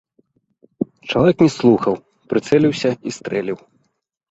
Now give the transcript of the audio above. Чалавек не слухаў, прыцэліўся і стрэліў.